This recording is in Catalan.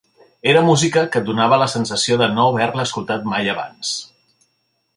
Era música que et donava la sensació de no haver-la escoltat mai abans.